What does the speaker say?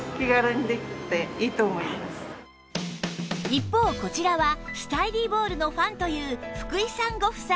一方こちらはスタイリーボールのファンという福井さんご夫妻